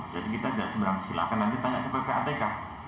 jadi kita tidak sembarang silahkan nanti tanya ke ppatk